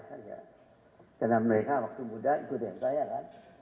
karena mereka waktu muda ikut dengan saya kan